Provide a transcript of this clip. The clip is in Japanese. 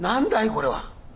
これは。